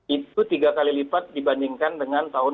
itu tiga kali lipat dibandingkan dengan tahun dua ribu dua puluh